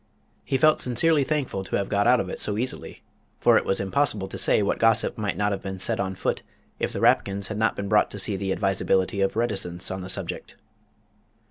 He felt sincerely thankful to have got out of it so easily, for it was impossible to say what gossip might not have been set on foot if the Rapkins had not been brought to see the advisability of reticence on the subject.